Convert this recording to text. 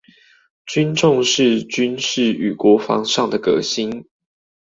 均重視軍事與國防上的革新